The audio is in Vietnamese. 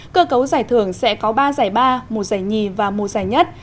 cơ cấu giải thưởng sẽ có ba giải ba một giải nhì và một giải nhất